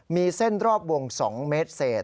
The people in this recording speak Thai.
มีเส้นรอบวง๒เมตรเศษ